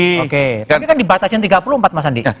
tapi kan dibatasi tiga puluh empat mas andi